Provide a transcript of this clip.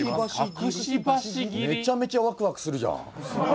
めちゃめちゃワクワクするじゃん。